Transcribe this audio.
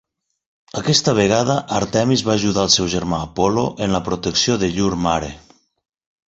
Aquesta vegada, Àrtemis va ajudar el seu germà Apol·lo en la protecció de llur mare.